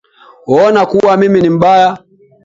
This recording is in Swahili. Waona kuwa mimi ni mbaya